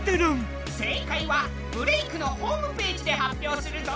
正解は「ブレイクッ！」のホームページで発表するぞ。